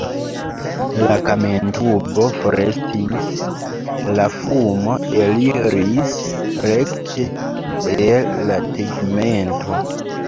La kamentubo forestis, la fumo eliris rekte el la tegmento.